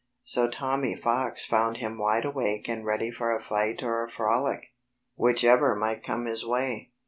So Tommy Fox found him wide awake and ready for a fight or a frolic, whichever might come his way.